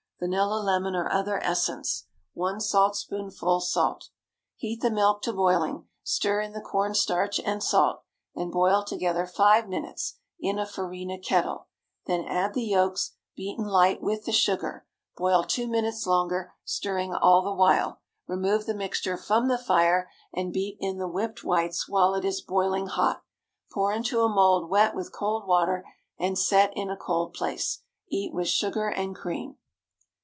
Vanilla, lemon, or other essence. 1 saltspoonful salt. Heat the milk to boiling; stir in the corn starch and salt, and boil together five minutes (in a farina kettle), then add the yolks, beaten light, with the sugar; boil two minutes longer, stirring all the while; remove the mixture from the fire, and beat in the whipped whites while it is boiling hot. Pour into a mould wet with cold water, and set in a cold place. Eat with sugar and cream.